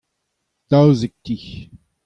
daouzek ti.